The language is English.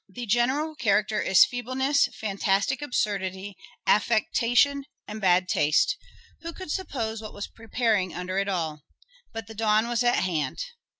. the general character is feeble ness, fantastic absurdity, affectation and bad taste. Who could suppose what was preparing under it all ? But the dawn was at hand."